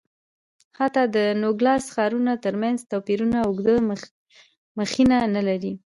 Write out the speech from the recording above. حتی د نوګالس ښارونو ترمنځ توپیرونه اوږده مخینه نه لري.